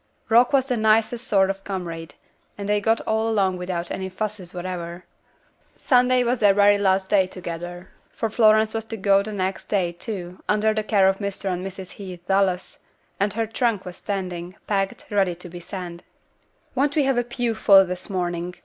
Rock was the nicest sort of comrade, and they got along without any fusses whatever. Sunday was their last day together, for Florence was to go the next day, too, under the care of Mr. and Mrs. Heath Dallas, and her trunk was standing, packed, ready to be sent. "Won't we have a pew full this morning?"